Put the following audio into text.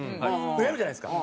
やるじゃないですか。